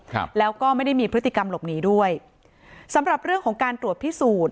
ครับแล้วก็ไม่ได้มีพฤติกรรมหลบหนีด้วยสำหรับเรื่องของการตรวจพิสูจน์